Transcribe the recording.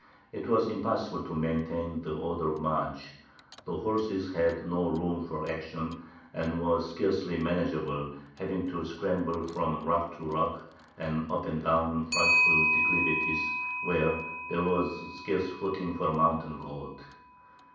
It was impossible to maintain the order of march; the horses had no room for action, and were scarcely manageable, having to scramble from rock to rock, and up and down frightful declivities, where there was scarce footing for a mountain goat.